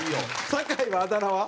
坂井はあだ名は？